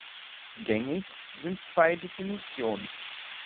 Gängig sind zwei Definitionen.